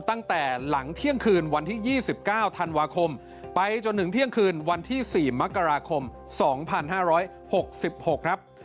ตั้งแต่หลังเที่ยงคืนวันที่๒๙ธันวาคมไปจนถึงเที่ยงคืนวันที่๔มกราคม๒๕๖๖ครับ